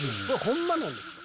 ホンマなんすか？